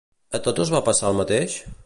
A tots els va passar el mateix?